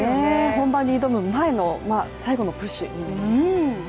本番に挑む前の最後のプッシュにもなりますよね。